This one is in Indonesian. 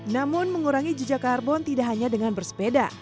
namun mengurangi jejak karbon tidak hanya dengan bersepeda